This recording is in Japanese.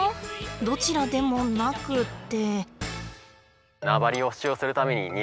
どちらでもなくて。